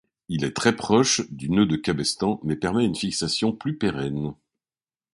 Il est très proche du nœud de cabestan mais permet une fixation plus pérenne.